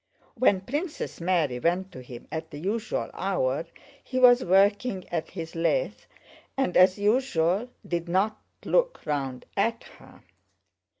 When Princess Mary went to him at the usual hour he was working at his lathe and, as usual, did not look round at her.